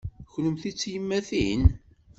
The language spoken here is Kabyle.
Kennemti d tiyemmatin?